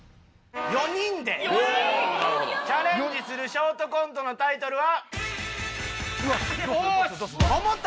４人でチャレンジするショートコントのタイトルは。